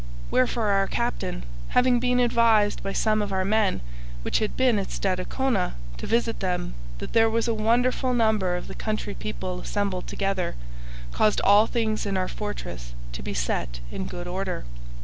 Wherefore our captain, having been advised by some of our men which had been at Stadacona to visit them that there was a wonderful number of the country people assembled together, caused all things in our fortress to be set in good order.'